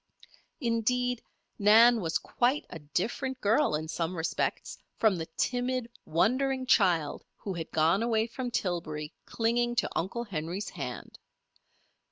Indeed, Nan was quite a different girl in some respects from the timid, wondering child who had gone away from Tillbury clinging to Uncle Henry's hand.